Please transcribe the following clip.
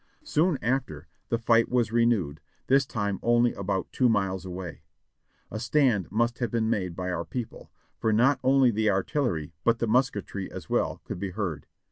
Soon after the fight was renewed ; this time only about two miles away. A stand must have been made by our people, for not only the artillery, but the musketry as well, could be heard.